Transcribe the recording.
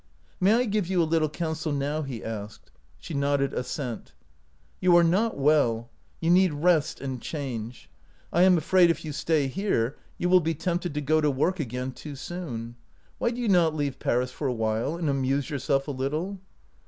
" May I give you a little counsel now ?" he asked. She nodded assent. " You are not well. You need rest and change. I am afraid if you stay here you will be tempted to go to work again too soon. Why do you not leave Paris for a while and amuse yourself a little